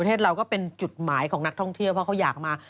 เทศเราก็เป็นจุดหมายของนักท่องเที่ยวเพราะเขาอยากมา